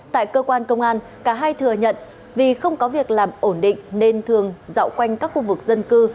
tại cơ quan công an cả hai thừa nhận vì không có việc làm ổn định nên thường dạo quanh các khu vực dân cư